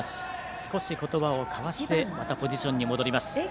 少し言葉を交わしてまたポジションに戻ります。